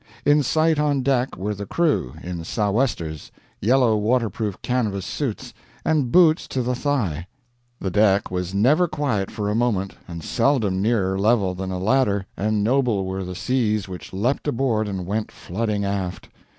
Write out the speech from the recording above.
In sight on deck were the crew, in sou'westers, yellow waterproof canvas suits, and boots to the thigh. The deck was never quiet for a moment, and seldom nearer level than a ladder, and noble were the seas which leapt aboard and went flooding aft.